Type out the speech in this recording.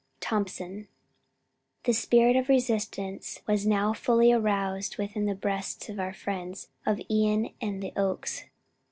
THOMSON The spirit of resistance was now fully aroused within the breasts of our friends of Ion and the Oaks.